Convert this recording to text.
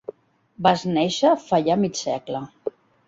Vas néixer fa ja mig segle.